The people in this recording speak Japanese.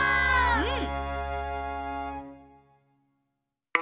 うん！